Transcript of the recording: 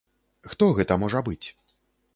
Хто гэта можа быць?